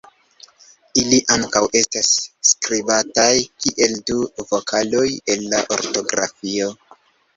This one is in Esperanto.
Ili ankaŭ estas skribataj kiel du vokaloj en la ortografio.